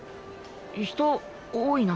人多いな。